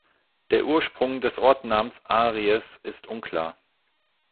Der Ursprung des Ortsnamens Aries ist unklar.